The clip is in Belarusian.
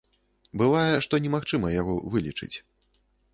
Бывае, што немагчыма яго вылічыць.